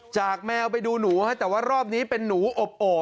แมวไปดูหนูฮะแต่ว่ารอบนี้เป็นหนูอบโอบ